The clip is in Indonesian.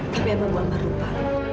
tapi apa bu ambar lupa